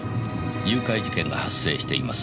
「誘拐事件が発生しています」